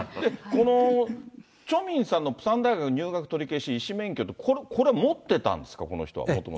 このチョ・ミンさんのプサン大学入学取り消し、医師免許って、これ、持ってたんですか、この人はもともと。